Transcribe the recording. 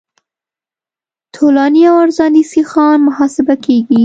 طولاني او عرضاني سیخان محاسبه کیږي